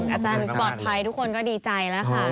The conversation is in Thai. อาจารย์ปลอดภัยทุกคนก็ดีใจแล้วค่ะ